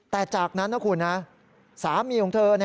แต่จากนั้นนะคุณนะสามีของเธอ